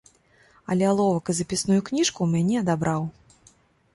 Але аловак і запісную кніжку ў мяне адабраў.